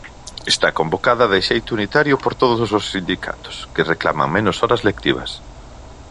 Está convocada de xeito unitario por todos os sindicatos, que reclaman menos horas lectivas.